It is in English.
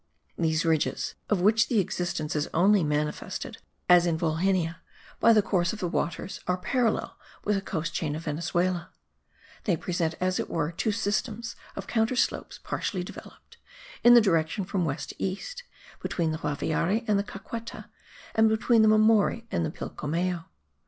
These ridges, of which the existence is only manifested, as in Volhynia, by the course of the waters, are parallel with the coast chain of Venezuela; they present, as it were, two systems of counter slopes partially developed, in the direction from west to east, between the Guaviare and the Caqueta, and between the Mamori and the Pilcomayo.